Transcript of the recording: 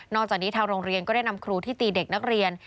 จากนี้ทางโรงเรียนก็ได้นำครูที่ตีเด็กนักเรียน